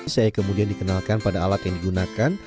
saya kemudian dikenalkan pada alat yang digunakan